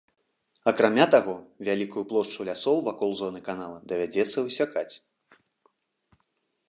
Акрамя таго, вялікую плошчу лясоў вакол зоны канала давядзецца высякаць.